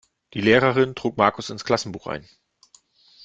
Die Lehrerin trug Markus ins Klassenbuch ein.